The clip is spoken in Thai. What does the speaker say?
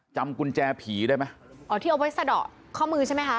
จำกุญแจผีได้ไหมอ๋อที่เอาไว้สะดอกข้อมือใช่ไหมคะ